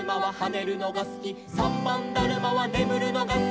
「さんばんだるまはねむるのがすき」